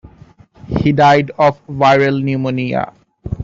He died of viral pneumonia.